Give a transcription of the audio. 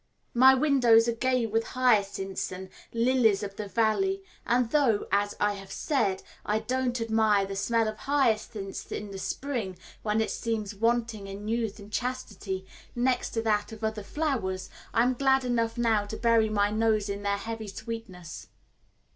My windows are gay with hyacinths and lilies of the valley; and though, as I have said, I don't admire the smell of hyacinths in the spring when it seems wanting in youth and chastity next to that of other flowers, I am glad enough now to bury my nose in their heavy sweetness.